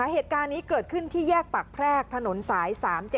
เหตุการณ์นี้เกิดขึ้นที่แยกปากแพรกถนนสาย๓๗